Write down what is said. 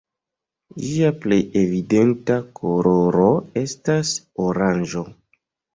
Ĝia plej evidenta koloro estas oranĝo.